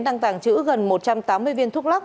đang tàng trữ gần một trăm tám mươi viên thuốc lắc